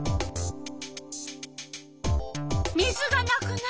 水がなくなった。